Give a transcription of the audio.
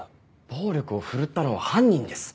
暴力を振るったのは犯人です。